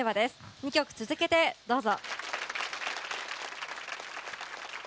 ２曲続けてどうぞ。